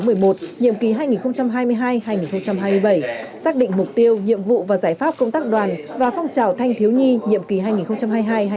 nhiệm kỳ hai nghìn hai mươi hai hai nghìn hai mươi bảy xác định mục tiêu nhiệm vụ và giải pháp công tác đoàn và phong trào thanh thiếu nhi